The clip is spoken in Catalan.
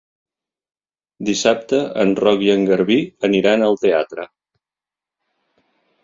Dissabte en Roc i en Garbí aniran al teatre.